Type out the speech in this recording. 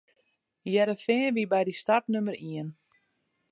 Hearrenfean wie by dy start nûmer ien.